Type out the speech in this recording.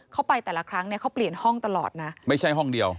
เขาไปแต่ละครั้งเนี่ยเขาเปลี่ยนห้องตลอดนะไม่ใช่ห้องเดียว